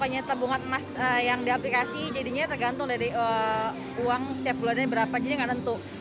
biasanya kan tergantung sih karena aku sukanya tabungan emas yang di aplikasi jadinya tergantung dari uang setiap bulan berapa jadi nggak tentu